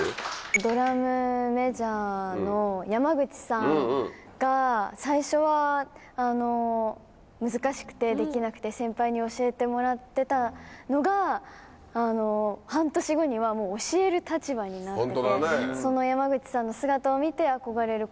ドラムメジャーの山口さんが、最初は難しくてできなくて、先輩に教えてもらってたのが、半年後にはもう教える立場になってて。